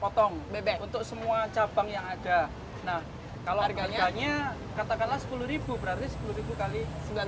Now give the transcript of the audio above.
potong bebek untuk semua cabang yang ada nah kalau harganya katakanlah sepuluh ribu berarti sepuluh kali